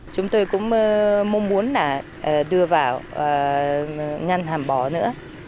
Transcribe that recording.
chúng tôi cũng mong muốn là đưa vào ngăn hàng bó nữa